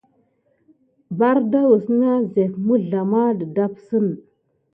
Bardaz na zef mizlama de dasmin.